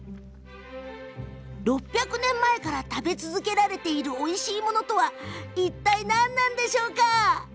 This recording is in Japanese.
６００年前から食べ続けられているおいしいものとはいったい何なんでしょうか？